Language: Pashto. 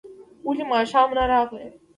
ولي ماښام نه راغلې؟